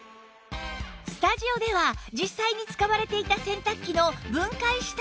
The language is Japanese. スタジオでは実際に使われていた洗濯機の分解したものを用意